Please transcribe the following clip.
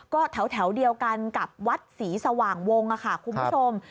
ก็แถวเดียวกันกับวัดศรีสว่างวงค่ะคุณผู้ชม